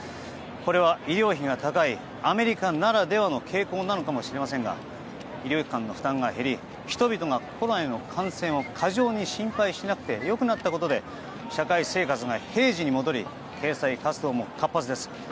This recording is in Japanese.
これは医療費が高いアメリカならではの傾向なのかもしれませんが医療機関の負担が減り人々がコロナへの感染を過剰に心配しなくても良くなったことで社会生活が平時に戻り経済活動も活発です。